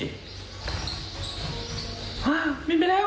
ว้าวมิ้นไปแล้ว